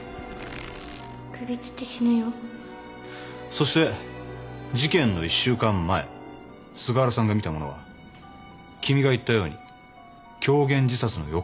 首つって死ぬよそして事件の１週間前菅原さんが見たものは君が言ったように狂言自殺の予行練習だったんだ。